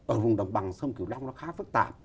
ở vùng đồng bằng sông cửu long nó khá phức tạp